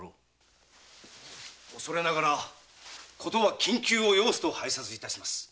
おそれながらことは緊急を要すと拝察いたします。